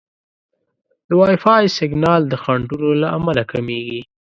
د وائی فای سیګنال د خنډونو له امله کمېږي.